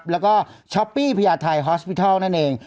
แล้วก็ช้อปปี้พยาไทยฮอสปิทัล